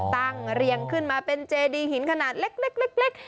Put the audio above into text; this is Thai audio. เรียงขึ้นมาเป็นเจดีหินขนาดเล็ก